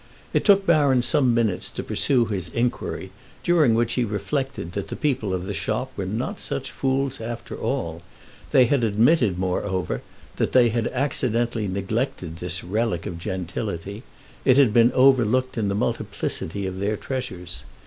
It took Baron some minutes to pursue his inquiry, during which he reflected that the people of the shop were not such fools after all. They had admitted moreover that they had accidentally neglected this relic of gentility—it had been overlooked in the multiplicity of their treasures.